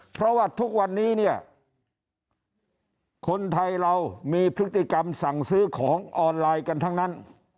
เพราะว่าทุกวันนี้เนี่ยคนไทยเรามีพฤติกรรมสั่งซื้อของออนไลน์กันทั้งนั้น